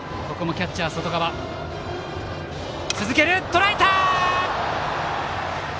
とらえた！